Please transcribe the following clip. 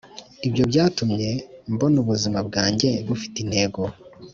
ibyo byatumye mbona ubuzima bwanjye bufite intego.